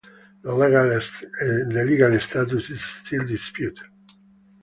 The legal status is still disputed.